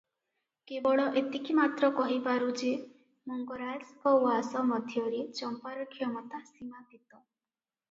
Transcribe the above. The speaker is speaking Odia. କେବଳ ଏତିକି ମାତ୍ର କହିପାରୁ ଯେ, ମଙ୍ଗରାଜଙ୍କ ଉଆସ ମଧ୍ୟରେ ଚମ୍ପାର କ୍ଷମତା ସୀମାତୀତ ।